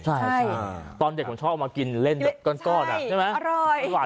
ใช่ตอนเด็กผมชอบมากินเล่นแบบก้อนใช่ไหม